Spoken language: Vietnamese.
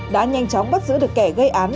đã nhanh chóng bắt giữ được kẻ gây án